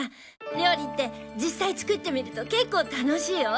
料理って実際作ってみると結構楽しいよ。